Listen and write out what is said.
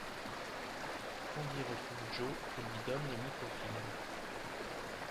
Candy retrouve Joe et lui donne le micro-film.